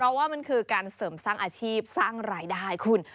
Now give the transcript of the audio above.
เพราะว่ามันคือการเสริมสร้างอาชีพสร้างรายได้คุณ